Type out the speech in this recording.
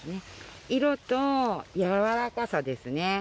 色とやわらかさですね。